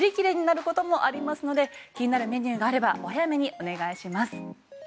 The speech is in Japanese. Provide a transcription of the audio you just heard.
ただ売り切れになることもありますので気になるメニューがあればお早めにお願いします。